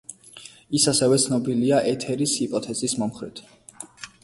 ის ასევე ცნობილია ეთერის ჰიპოთეზის მომხრედ.